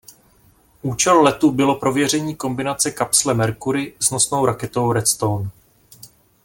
Účel letu bylo prověření kombinace kapsle Mercury s nosnou raketou Redstone.